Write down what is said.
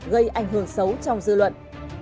gây ảnh hưởng xấu trong dư luận